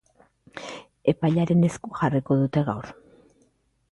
Epailearen esku jarriko dute gaur.